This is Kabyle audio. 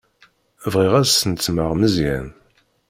Bɣiɣ ad snetmeɣ Meẓyan.